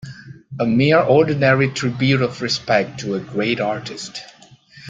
A mere ordinary tribute of respect to a great artist.